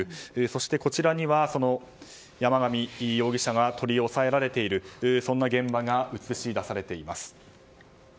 そしてこちらにはその山上容疑者が取り押さえられている現場が写し出されています。